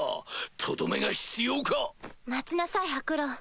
とどめが必要か⁉待ちなさいハクロウ。